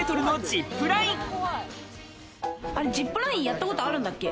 ジップラインやったことあるんだっけ？